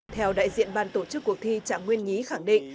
theo đại diện ban tổ chức cuộc thi trạng nguyên nhí khẳng định